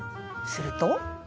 すると。